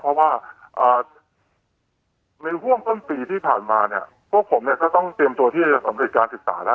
เพราะว่าในห่วงต้นปีที่ผ่านมาเนี่ยพวกผมเนี่ยก็ต้องเตรียมตัวที่จะสำเร็จการศึกษาแล้ว